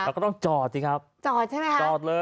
เราก็ต้องจอดจริงครับจอดเลยจอดใช่ไหมครับ